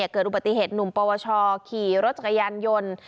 เกิดอุบัติเหตุหนุ่มปวชขี่รถจักรยานยนต์